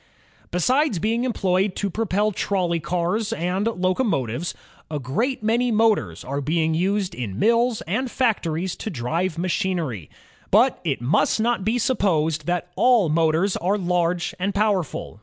Besides being employed to propel trolley cars and loco 86 INVENTIONS OF STEAM AND ELECTRIC POWER motives, a great many motors are used in mills and factories to drive machinery. But it must not be supposed that all motors are large and powerful.